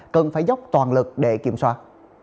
cần phải dốc toàn lực để kiểm soát